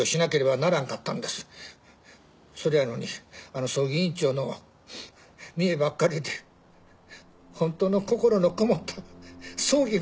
それやのにあの葬儀委員長の見えばっかりでホントの心のこもった葬儀ができなかったんです。